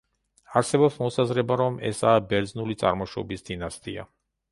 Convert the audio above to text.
არსებობს მოსაზრება, რომ ესაა ბერძნული წარმოშობის დინასტია.